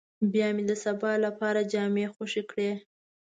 بيا مې د سبا لپاره جامې خويې کړې.